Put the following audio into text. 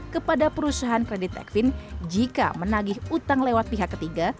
kepada perusahaan kredit tekvin jika menagih utang lewat pihak ketiga